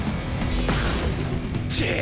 ちっ！